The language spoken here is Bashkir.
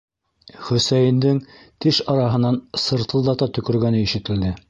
- Хөсәйендең теш араһынан сыртылдата төкөргәне ишетелде.